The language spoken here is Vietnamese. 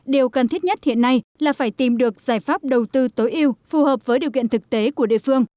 điều cần thiết nhất hiện nay là phải tìm được giải pháp đầu tư tối ưu phù hợp với điều kiện thực tế của địa phương